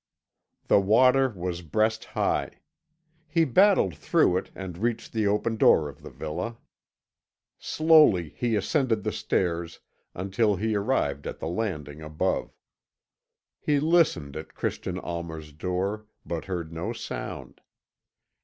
The water was breast high. He battled through it, and reached the open door of the villa. Slowly he ascended the stairs until he arrived at the landing above. He listened at Christian Almer's door, but heard no sound.